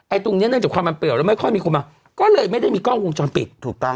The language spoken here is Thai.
ตรงเนี้ยเนื่องจากความมันเปลี่ยวแล้วไม่ค่อยมีคนมาก็เลยไม่ได้มีกล้องวงจรปิดถูกต้อง